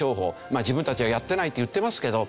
まあ自分たちはやってないと言ってますけど。